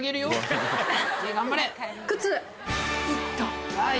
頑張れ。